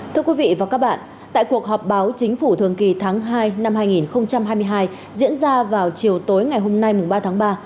thưa quý vị và các bạn tại cuộc họp báo chính phủ thường kỳ tháng hai năm hai nghìn hai mươi hai diễn ra vào chiều tối ngày hôm nay ba tháng ba